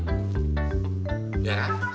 biar aku lihat